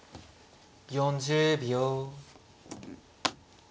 ４０秒。